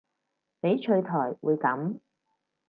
翡翠台會噉